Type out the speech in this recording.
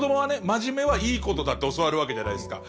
真面目はいいことだと教わるわけじゃないですか。